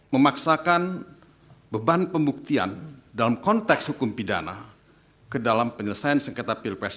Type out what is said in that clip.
memaksakan beban pembuktian dalam konteks hukum pidana ke dalam penyelesaian sengketa pilpres